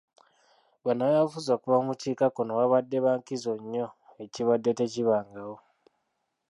Bannabyabufuzi okuva mu bukiikakkono babadde ba nkizo nnyo ekibadde tekibangawo.